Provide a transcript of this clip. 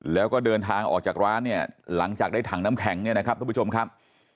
แล้วก็เดินทางออกจากร้านเนี่ยหลังจากได้ถังน้ำแข็งเนี่ยนะครับทุกผู้ชมครับ